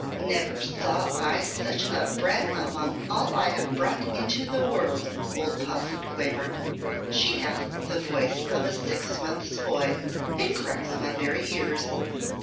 "Never saw I such a brat among all I have brought into the world," old Posset quavered. "She hath the voice of a six months boy. It cracks my very ears.